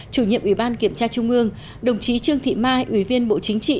chủ nhiệm ủy ban kiểm tra trung ương đồng chí trương thị mai ủy viên bộ chính trị